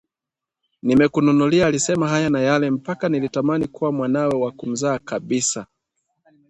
nimekununulia alisema haya na yale mpaka nilitamani kuwa mwanawe wa kumzaa kabisa